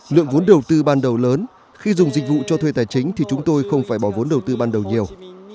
lượng vốn đầu tư ban đầu lớn khi dùng dịch vụ cho thuê tài chính thì chúng tôi không phải bỏ vốn đầu tư ban đầu nhiều